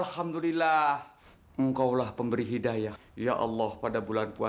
sampai jumpa di video selanjutnya